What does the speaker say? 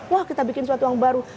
wah kita bikin suatu yang baru